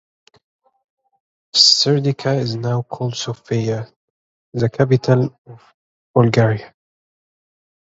Serdica is now called Sofia, the capital of Bulgaria.